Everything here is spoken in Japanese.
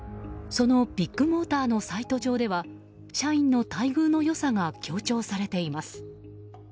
そのビッグモーターのサイト上では社員の待遇の良さが強調されています。